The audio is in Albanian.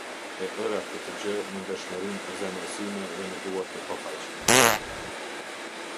E ëra këtë gjë me ndershmërinë e zemrës sime dhe me duar të pafajshme".